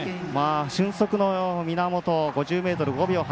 俊足の源、５０ｍ５秒８。